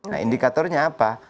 nah indikatornya apa